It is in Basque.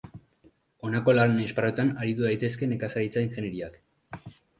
Honako lan esparruetan aritu daitezke nekazaritza ingeniariak.